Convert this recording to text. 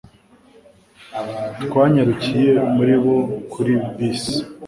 Twanyarukiye muri bo kuri bisi